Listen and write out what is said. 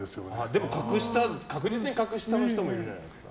でも確実に格下の方もいるじゃないですか。